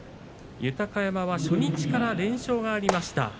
豊山は初日から連勝がありました。